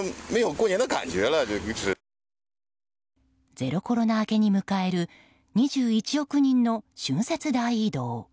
ゼロコロナ明けに迎える２１億人の春節大移動。